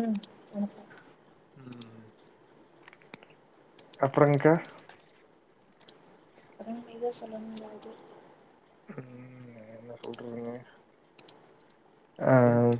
உம் உம் அப்ரங்க்கா அத மீத சொல்ல முடியாது ம் என்ன ஆஹ்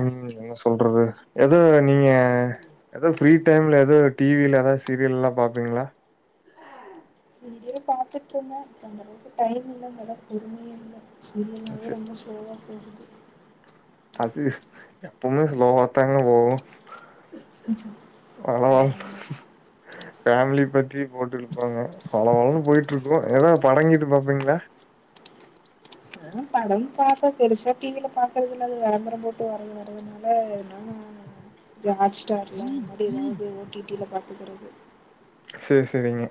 உம் என்ன சொல்றது எதோ நீங்க எதோ ஃப்ரீ டைம்ல எதோ டி வில எதோ சீரியல் எல்லா பாப்பீங்ளா சீரியல் பாத்துட்டு இருந்தே இப்ப அந்தளவுக்கு டைம் இல்ல அந்தளவுக் பொறுமையு இல்ல சீரியல் சரி நாலே ரொம்ப ஸ்லோவா போகுது அது எப்போமே ஸ்லோவத்தாங்க போகு ஹலோ ஆமா ஃபேமிலி பத்தி போட்டுருபாங்க வளவளனு போய்டுருக்கும் எதோ படங்கிடு பாப்பீங்களா நானும் படம் பாப்பே பெருசா டி வில பாக்றதுல அது விளம்பரம் போட்டு வரது வரறதுனால அதுனால நானு ஹாட்ஸ்டார்ல அது மாரி எதாது ஒ டி டி ல பாப்ப பாத்துகுறது சேர் சேரிங்க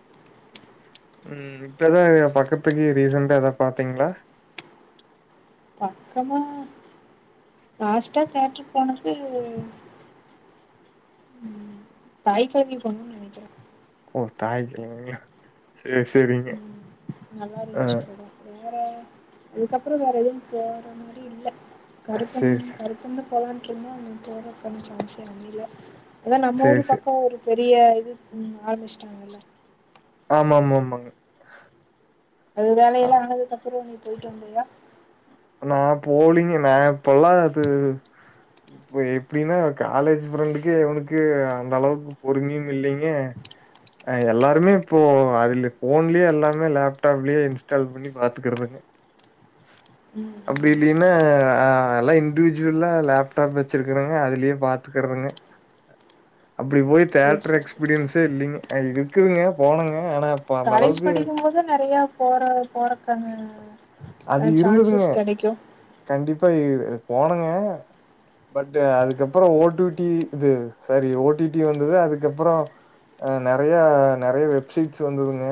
உம் இப்பதா ஏ பக்கத்துக்கு ரீசென்டா எதா பாத்தீங்ளா பக்கமா லாஸ்டா தேட்டர் போனது உம் தாய்கிழவி போனோ நெனைக்கிறேன் ஓ தாய்கிழவியா சேர் சேரிங்க ம் நல்லா இருந்துச்சு ஆஹ் படம் வேற அதுகப்றோ வேற எதுவு போற மாரி இல்ல கருப்பன் சரி, கருப்பன் தா போலானு அப்றோமா போறக்கான சான்ஸே அமைல அதா நம்ம சரி, ஊர் சரி. பக்கோ ஒரு பெரிய இது உம் ஆரபிச்டாங்ல்ல ஆம்மாம்மாம்மாங்க அது வேல எல்லா ஆனதுக்கு அப்றோ போய்ட்டு வந்தியா நா போலீங்க நா இப்பெல்லா அது இப்ப எப்டின்னா காலேஜ் ஃப்ரெண்டுகே இவனுக்கு அந்த அளவுக்கு பொறுமையு இல்லைங்க அஹ் எல்லாருமே இப்போ அதுல ஃபோன்லே எல்லாமே லேப்டாப்லே இன்ஸ்டால் பண்ணி பாத்துகறதுங்க ம் ம் அப்டீலியே ன்ன அல்லா இண்டூஜுவல்லா லேப்டாப் வெச்சிருக்கறங்க அதுலியே பாத்துக்கறதுங்க அப்டி போய் சரி தேட்டர் சரி சரி எக்ஸ்பிரியன்ஸே இல்லிங்க [unintelligible] க்குதுங்க போனங்க காலேஜ் படிக்கும் போது நெறைய போற போறக்கன அது இருந்ததுங்க கண்டிப்பா இது இ போனுங்க பட்டு அதுக்கப்பறோ ஓடுடி இது சரி ஓ டி டி வந்தது அதுக்கப்பறோ நெறைய நெறைய வெப்சைட்ஸ் வந்ததுங்க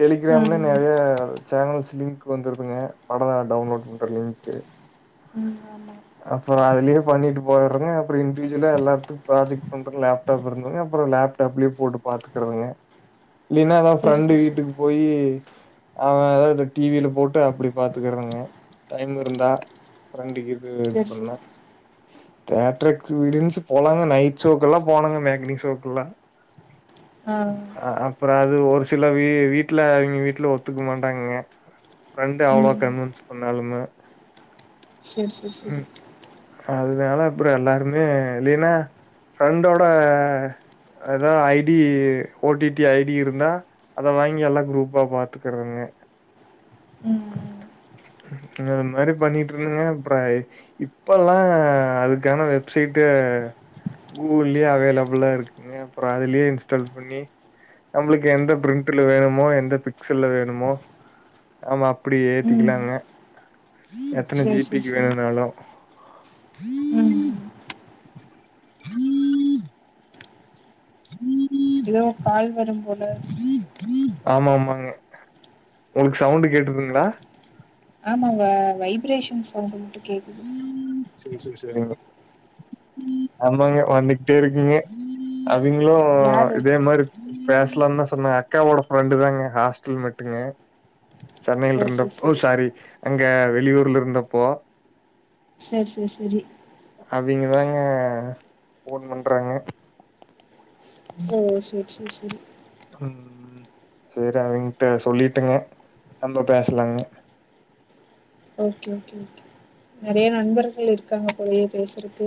டெலிகிராம்ல ம் நெறைய சேனல்ஸ் லிங்க் வந்துருக்குங்க படத டவுன்லோட் பண்ற லிங்க்கு ம் ஆமா அப்பறோ அதுலியே பண்ணிட்டு போய்றோங்க அப்டி இண்டிஜுல்லா எல்லாத்துக் பாஜெக்ட் பண்ற லேப்டாப் இருந்தங்க அப்பறோ லேப்டாப்ல போட்டு பாத்துக்குறதுங்க லீனா எதாவு சரி ஃப்ரெண்டு சரி சரி வீட்டுக்கு போயி அவ [unintelligible] டீவில போட்டு அப்டி பாத்துக்கறதங்க டைம் இருந்தா ஃபிரண்டுகு து இது சரி பண்ணா சரி தெட்டர்கு [unintelligible] போளாங்க நைட்ஷோக்கு ல்லா போனங்க மேக்னி ஷோக்குல்லா ஆ ஆ ப்றோ அது ஒரு சில வீ வீட்ல எங்க வீட்ல ஒத்துக்க மாட்டாங்க ப்ரெண்டு அவ்ளோ ம் கன்வன்ஸ் பண்ணாலுமு சர் சர் செரி [unintelligible] அப்றோ எல்லாருமே இல்லீனா ஃப்ரெண்டோட எதா ஐடி ஓடிடி ஐடி இருந்தா அத வாங்கி எல்லா குரூப்பா பாத்துக்கறதுங்க ம் அ மாரி பண்ணிட்ருந்தங்க அப்ற இப்பல்லா அதுக்கான வெப்சைட்டு கூகுள்யே அவைலபுல்லா இருக்குங்க அப்ற அதுல்யே இன்ஸ்டால் பண்ணி நம்ளுக்கு எந்த பிரிண்ட்ல வேமோ எந்த பிக்சல்ல வேணுமோ ஆமா அப்டி ம் ம். ஏத்திக்கிலாங்க எத்தன சரி சரி ஜிபிக்கு சரி வேணுனாலு ம் எதோ கால் வரும் போல ஆமா ஆமாங்க உங்ளுக் சவுண்டு் கேட்டுதுங்ளா ஆமாங்க வைப்ரேஷன்‌ சவுன்டு மட்டும் கேக்குது சே சே சேரிங்க ஆமாங்க வந்துக்ட்டே இருக்குங்க அ விங்ளு யாரு இதே மாரி பேசலாந்தா சொன்னா அக்காவோட ஃப்ரெண்டு தாங்க ஹாஸ்டல் மெட்டுங்க சேரி சேரி சென்னைல்ருந்தப்போ சாரி ங்க வெளியூர்ல இருந்தப்போ சேர் சேர் செரி அவிங்கதாங்க ஃபோன் பண்றாங்க ஓ சேர் சேர் செரி உம் செரி அவங்கிட்ட சொல்லிட்டங்க நம்ப பேசலாங்க ஓகே ஓகே ஓகே நெறைய நண்பர்கள் இருக்காங்க போலயே பேசறக்கு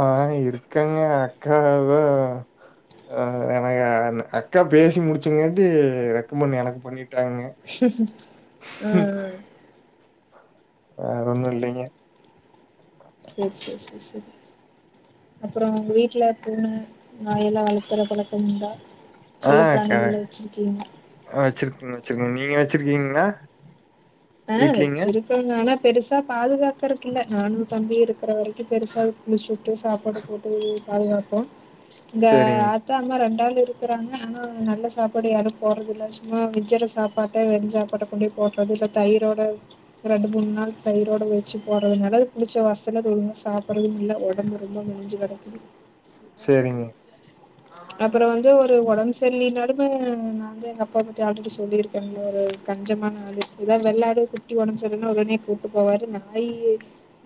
ஆஹ இருக்காங்க அக்கா வ அ என க அக்கா பேசி முடிச்சங்காட்டி ரெக்கமண்ட் எனக்கு பண்ணிட் ம் ம் வேறொன்னு இல்லைங்க செரி செரி செரி செரி அப்பறம் உங்க வீட்ல பூன நாயெல்லா வளத்துற பழக்கமுண்டா ஆஹக்க ஆ வச்சிருக்கோ ம் வச்சிருக்கோம் நீங்க வச்சிருக்கீங்களா ஆஹ் வீட்லீங்க? வச்சிருக்கோங்க ஆனா பெருசா பாதுகாக் க்கறது இல்ல நானு தம்பியும் இருக் [unintelligible] பெருசா குளிச்சுட்டு சாப்பாடு போட்டு பாதுகாப்போ இங்க சரிங்க, ஆத்தா அம்மா ரெண்டாள் இருக்கிறாங்க ஆனா நல்ல சாப்பாடு யாரும் போடுறது இல்ல சும்மா மிஞ்சர சாப்பாட்ட வெறுஞ் சாப்பாட்ட கொண்டு போய் போடறது தயிரோட ரெண்டு மூணு நாள் தயிரோட வச்சு போடுறதுனால புளிச்ச வாசன அது ஒழுங்கா சாப்படுறதுக்கில்ல ஒடம்பு ரொம்ப மெலிஞ்சு கெடக்குது செரிங்க அப்பற வந்து ஒரு ஒடம்பு சரியில்லனாலு நாந்தே எங்க அப்பாவ பத்தி ஆல்ரெடி சொல்லியிருக்கேன்ல ஒரு கஞ்சமான ஆளு எதா வெள்ளாடு குட்டி ஒடம்பு செரியில்லன்னா உடனே கூட்டு போவாரு நாயி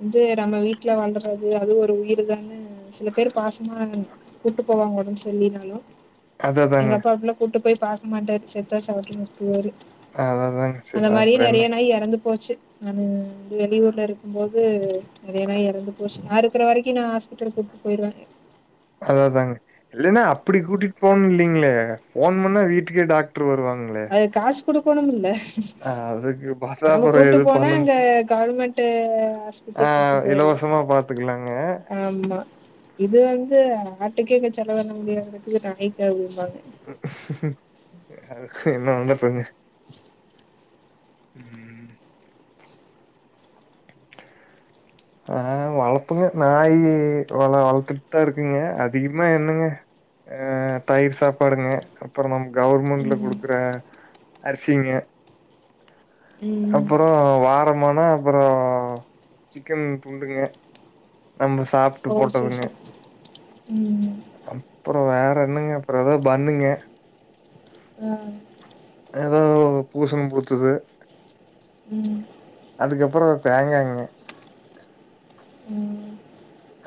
வந்து நம்ம வீட்ல வளர்றது அது ஒரு உயிர் தானு சில பேர் பாசமா கூட்டு போவாங்க ஒடம்பு சரி ல்லனாலு அத எங்க அதாங்க. அப்பா அப்படில்லா கூட்டு போய் பாக்க மாட்டாரு செத்தா சாகட்டும்னு விட்றுவாரு அத தாங்க சில அப்பறம் என்ன எறந்து போச்சு நானு வெளியூர்ல இருக்கும் போது நெறைய நாய் இறந்து போச்சு நா இருக்கிற வரைக்கும் நான் ஹாஸ்பிட்டல் கூட்டு போயிருவேன் அத தாங்கே இல்லைன்னா அப்படி கூட்டிட்டு போணும் இல்லைங்களே போன் பண்ணா வீட்டுக்கே டாக்டர் வருவாங்களே குடுக்கோணும் இல்ல அஹ அதுக்கு நம்ம பசாபுறம் கூட்டு எதும் போனா பணும் அங்க கவர்மெண்ட் [inaudible] ஆஸ்பத்திரி கூட்டு ஆஹ போயிரலா இலவசமா பாத்துக்கலாங்க ஆமா இது வந்து ஆட்டுக்கே இங்க செலவு பண்ண முடியாததுக்கு நாய்க்காவது பாங்க அது என்ன வேணா பண்ணுங்க உஹம் ஆஹ் வளப்பாங்க நாய் வளத்துட்டு தான் இருக்குங்க அதிகமா என்னங்க ஆஹ் தயிர் சாப்பாடுங்க அப்புறம் நம் கவர்மெண்ட்ல ம் குடுக்குற அரிசிங்க ம் அப்புறம் வாரமானா அப்புறம் சிக்கன் துண்டுங்க நம்ம சாப்பிட்டு ஓ சரி போட்டதுங்க சரி ம் அப்ப அப்புறம் வேற என்னங்க அப்புறம் ஏதோ பன்ணுங்க ஆஹ் ஏதோ பூசணம் பூத்துது ம் அதுக்கப்புறம் பேங்காங்க உம்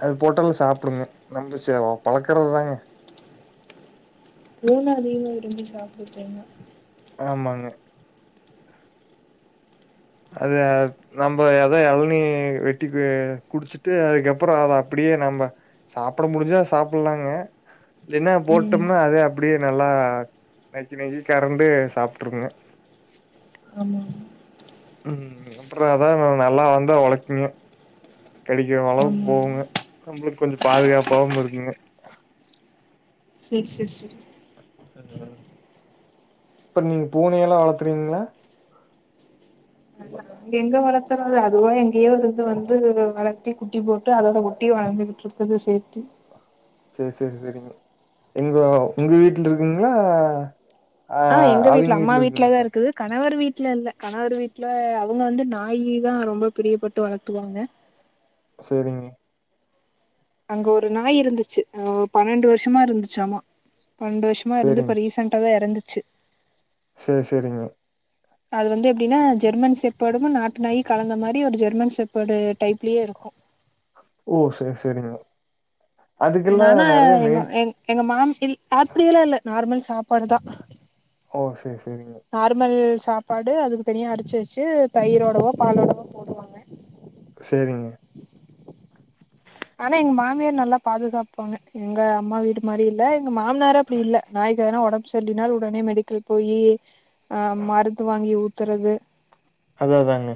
அது போட்டாலும் சாப்பிடுங்க நம்ம பழக்கறது தாங்க பூனை அதிகமா விரும்பி சாப்பிடுச்சுங்க ஆமாங்க அது நம்ம ஏதோ இளநி வெட்டி குடிச்சுட்டு அதுக்கப்புறம் அதை அப்படியே நம்ம சாப்பிட முடிஞ்சா சாப்பிடலாங்க இல்லைனா ம் போட்டோம்னா அதே அப்படியே நல்லா நக்கி நக்கி கறண்டு சாப்பட்டுருங்க ஆமா உம் அப்புறம் அதான்நல்லா வந்தா உலைக்குங்க கிடைக்கிற அளவுக்கு ஆமாமா போகுங்க நம்மளுக்கு கொஞ்சம் பாதுகாப்பாவும் இருக்குங்க சரி சரி சரி இப்ப நீங்க பூனை எல்லாம் வளர்த்துறீங்களா எங்க வளர்த்தறது அதுவா எங்கேயோ இருந்து வந்து வளர்த்தி குட்டி போட்டு அதோட குட்டி வளர்ந்துகிட்டு இருக்குது சேர்த்தி சரி சரி சரிங்க எங்க உங்க வீட்டுல இருக்குங்களா ஆ ஆஹ் எங்க வீட்ல அவிங்க அம்மா வீட்டு்லதான் இருக்குங்களா இருக்குது கணவர் வீட்டுல இல்லே இல்லே கணவர் வீட்டுல அவங்க வந்து நாயி தான் ரொம்ப பிரியப்பட்டு வளர்த்துவாங்க சரிங்க அங்க ஒரு நாய் இருந்துச்சு பன்னெண்டு வருஷமா இருந்துச்சாமா சந்தோஷமா இருந்து இப்போ ரீசெண்டாதா எறந்து ச்சு சரி சரிங்க அது வந்து எப்படின்னா ஜெர்மன் செப்பேடும் நாட்டு நாயி கலந்த மாரி ஒரு ஜெர்மன் செப்பேடு டைப்லயே இருக்கு ஓ சரி சரிங்க நானா எங்க எங் எங்க மாம் அப்படியெல்லா இல்ல நார்மல் சாப்பாடுதா ஓ ச [inaudible] நார்மல் சாப் சாப்பாடு அதுக்கு தனியா அரிசி வச்சு தயிரோடவோ பாலோடவோ போடுவாங்க சரிங்க ஆனா எங்க மாமியார் நல்லா பாதுகாப்பாங்க எங்க அம்மா வீடு மாரி இல்ல மாமனார அப்டி இல்ல நாய் வேணா [inaudible] சொல்லினால் உடனே மெடிக்கல் போயி ஆ மருந்து வாங்கி ஊ த்தரது அது அதாங்க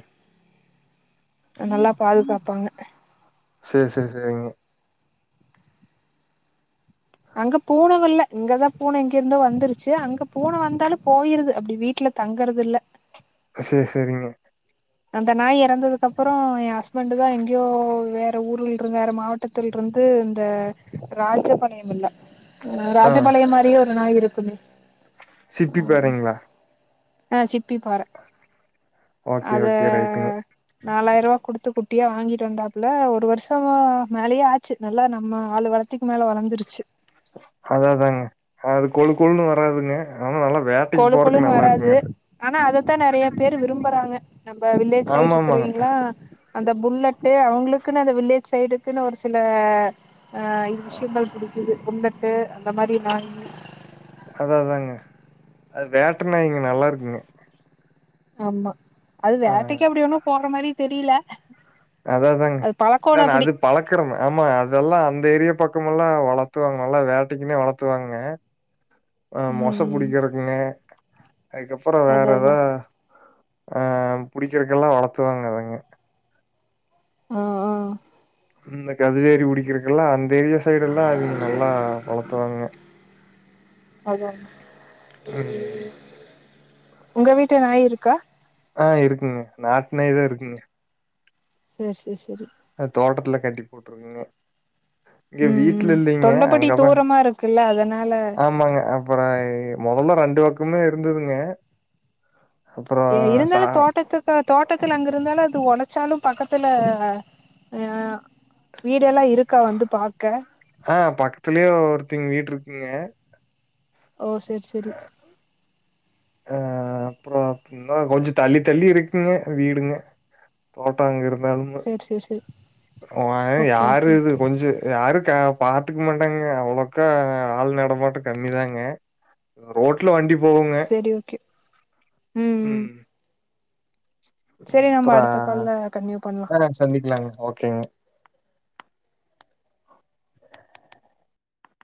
நல்லா பாதுகாப்பாங்க சரி சரி சரிங்க அங்க பூன வல்ல இங்கதா பூன இங்க இருந்தோ வந்துருச்சு அங்க பூன வந்தாலு போயிருது அப்டி வீட்ல தங்கறதுல்ல சரி சரிங்க அந்த நாய் இறந்ததுக்கு அப்பறம் என் ஹஸ்பண்டுதா எங்கேயோ வேற ஊருல இருந் வேற மாவட்டத்துலருந்து இந்த ராஜ பணையமில்ல ஆ ராஜபாளைய மாரியே ஒரு நாய் இருக் [unintelligible] சிப்பி பாறைங்களா ஆ சி ப்பிப்பாற ஓகே அத ஓகே ரைட்டுங்க நாலாயிரவா குடுத்து குட்டியா வாங்கிட்டு வந்தாப்புல ஒரு வருஷமா மேலயே ஆச்சு நல்லா நம்ம ஆளு வளத்திக்கு மேல வளந்துருச்சு அததாங்க அது கொழு கொழுன்னு வராதுங்க ஆனா நல்லா வேட்டைக்கு கொழு போறக்கு கொழுன்னு வராது நல்லாருக்குங்க அது. ஆனா அத த்த நெறைய பேரு விரும்புறாங்க நம்ம வில்லேஜ் சைட் ஆமாமாங்க. இருக்குறவீங்களா அந்த புல்லட்டு அவங்களுக்குன்னு அந்த வில்லேஜ் சைடுக்குன்னு ஒரு சில ஆஹ் இங்கஷிம்பல் [unintelligible] இது புல்லட்டு இந்த மாரி நாயி அதா அதாங்க. அது வேட்ட நாயிங்க நல்லா இருக்குங்க ஆமா அது வேட்டைக்கு அப்டி ஒண்ணு போற மாரி தெரியில அத தாங்க இல்லா அது பழக்கறன்னு ஆமா அதெல்லா அந்த ஏரியா பக் பக்கமல்லா வளத்துவாங்க நல்லா வேட்டைக்குன்னே வளத்துவாங்க ஆ ம் மொச ம் புடிக்கறக்குனே அதுக்கப்பறோ வேற அதா எதா அதா அ புடிக்கிறதுக்கெல்லா வளத்துவாங்க அதங்க ஆ ஆ இந்த கதுவேறி பிடிக்கிருக்குல்ல அந் தெரிய சைடு எல்லா அவிங்க நல்லா வளத்துவாங்க அது வந் உம் உங்க வீட்டு நாய் இருக்கா ஆ இருக்குங்க நாட்டுநாய் தா இருக்குங்க செர் செர் செரி அ தோட்டத்துல கட்டி போட்ருக்குங்க இங்க ம் வீட்டுல ம் இல்லைங்க தொண்டபட்டி அங்கதா தூரமா இருக்குல்ல அதனால ஆமாங்க அப்பறய் மெதல்ல பண்டு பக்கமே இருந்ததுங்க அப்புறம் எ சா இருந்தாலு தோட்டக்கக்கா தோட்டத்துல அங்க இருந்தாலு அத் இது ஒடைச்சாலு பக்கத்துல அ வீடெல்லா இருக்கா வந்து பாக்க ஆ பக்கத்துலயே ஒருத்தங்க [unintelligible] ஓ செர் செரி அ, அப்பறோ [unintelligible] கொஞ்சோ தள்ளி தள்ளி இருக்குங்க வீடுங்க தோட்டாங்க இருக் செர் செர் செர் ஓய யாரு இது கொஞ்சு யா அருக்க பாதுக்க மாட்டாங்க அவ்லக்கா ஆல் நடாமாட்டோ கம்மிதாங்க ரோட்ல வண்டிப் செரி ஓகே உம் உம் ம். ம். செரி நம்ப அப்புறம் அடுத்த கால்ல கண்டினியூ பண்ணலா ஆ சந்திக்கலாங்க. ஓகேங்க